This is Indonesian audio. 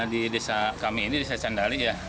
di desa kami ini desa candali ya